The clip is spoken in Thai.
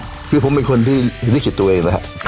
เพราะฉะนั้นผมเป็นคนที่ลิขิตตัวเอง